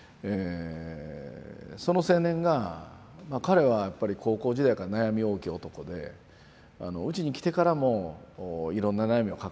その青年が彼はやっぱり高校時代から悩み多き男でうちに来てからもいろんな悩みを抱えてたんですね。